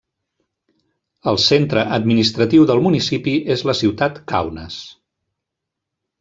El centre administratiu del municipi és la ciutat Kaunas.